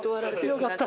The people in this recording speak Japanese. よかった。